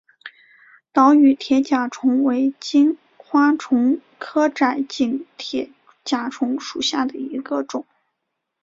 岛屿铁甲虫为金花虫科窄颈铁甲虫属下的一个种。